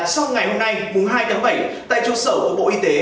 sau ngày hôm nay mùng hai tháng bảy tại trung sở của bộ y tế